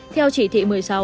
theo chỉ thị một mươi sáu